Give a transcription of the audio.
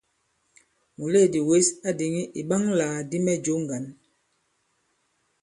Mùleèdì wěs a dìŋì ìɓaŋalàkdi mɛ jǒ ŋgǎn.